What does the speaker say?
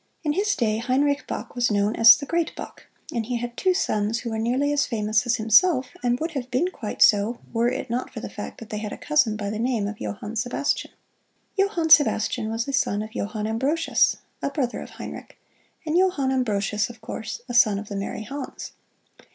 In his day Heinrich Bach was known as the "Great Bach," and he had two sons who were nearly as famous as himself, and would have been quite so, were it not for the fact that they had a cousin by the name of Johann Sebastian. Johann Sebastian was a son of Johann Ambrosius, a brother of Heinrich, and Johann Ambrosius, of course, a son of the merry Hans.